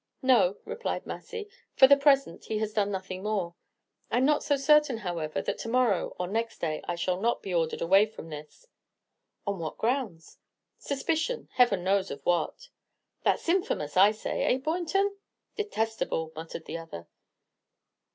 "No," replied Massy; "for the present, he has done nothing more. I 'm not so certain, however, that to morrow or next day I shall not be ordered away from this." "On what grounds?" "Suspicion, Heavens knows of what!" "That's infamous, I say. Eh, Baynton?" "Detestable," muttered the other.